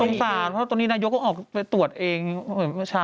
สงสารเพราะตอนนี้นายกก็ออกไปตรวจเองเหมือนเมื่อเช้า